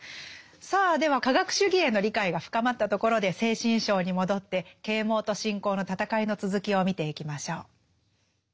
さあでは科学主義への理解が深まったところで「精神章」に戻って啓蒙と信仰の戦いの続きを見ていきましょう。